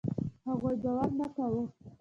هغوی باور نه کاوه.